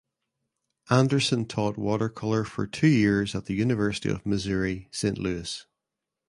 Anderson taught watercolor for two years at the University of Missouri Saint Louis.